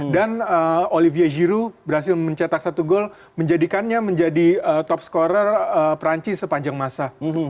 dan olivier giroud berhasil mencetak satu gol menjadikannya menjadi top scorer perancis sepanjang masa